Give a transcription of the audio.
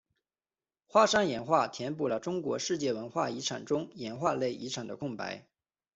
花山岩画填补了中国世界文化遗产中岩画类遗产的空白。